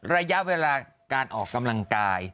ระยะเวลาการออกกำลังกาย